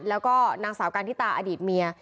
แล้วก็นางสาวกันทิตาอดีตเมีย